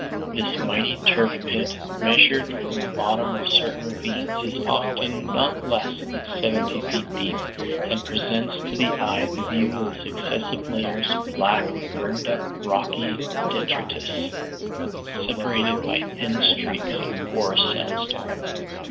This mighty turf pit, measured from the bottom of certain ravines, is often not less than seventy feet deep, and presents to the eye the view of successive layers of black burned up rocky detritus, separated by thin streaks of porous sandstone.